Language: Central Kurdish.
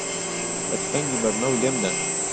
به تفهنگی بڕنهو لێم دهن